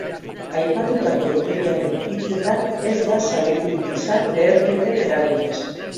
Aipatutako iturriaren hitzetan, ez da zauriturik izan leherketen eraginez.